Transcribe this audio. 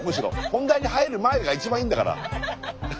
本題に入る前が一番いいんだから。